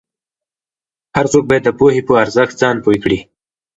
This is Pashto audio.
هر څوک باید د پوهې په ارزښت ځان پوه کړي.